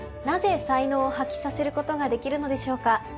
なぜ才能を発揮させることができるのでしょうか？